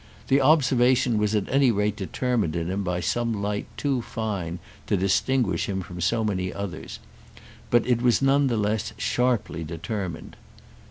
The observation was at any rate determined in him by some light too fine to distinguish from so many others, but it was none the less sharply determined.